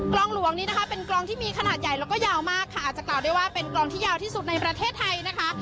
ลองหลวงนี้นะคะเป็นกลองที่มีขนาดใหญ่แล้วก็ยาวมากค่ะอาจจะกล่าวได้ว่าเป็นกลองที่ยาวที่สุดในประเทศไทยนะคะ